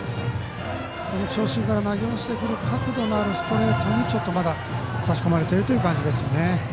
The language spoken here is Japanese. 長身から投げ落ちてくる角度のあるストレートにちょっと、まだ差し込まれているという感じですよね。